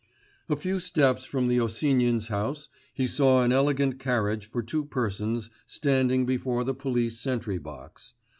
A few steps from the Osinins' house he saw an elegant carriage for two persons standing before the police sentry box.